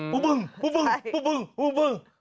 ปุ้บึงปุ้บึงปุ้บึงปุ้บึง